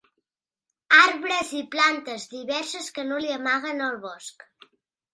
Arbres i plantes diverses que no li amaguen el bosc.